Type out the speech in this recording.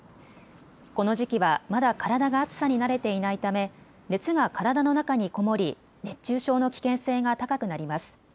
この時期はまだ体が暑さに慣れていないため熱が体の中に籠もり熱中症の危険性が高くなります。